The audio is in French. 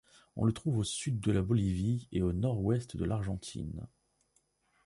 On le trouve au sud de la Bolivie et au nord-ouest de l'Argentine.